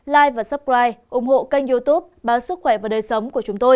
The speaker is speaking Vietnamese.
like và subscribe ủng hộ kênh youtube báo sức khỏe và đời sống của chúng tôi